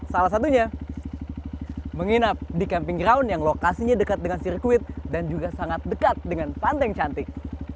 salah satunya menginap di camping ground yang lokasinya dekat dengan sirkuit dan juga sangat dekat dengan pantai yang cantik